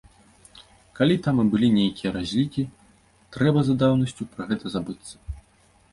Калі там і былі нейкія разлікі, трэба за даўнасцю пра гэта забыцца.